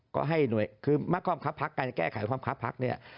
ก็ให้หน่วยคือมากความคับพักการจะแก้ไขความคับพักเนี่ย